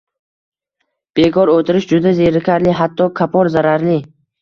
Bekor o‘tirish juda zerikarli, hatto kapor zararli